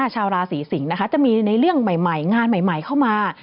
ชาวราศีสิงศ์นะคะจะมีในเรื่องใหม่งานใหม่เข้ามา